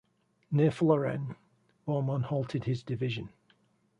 Near Florennes, Bourmont halted his division.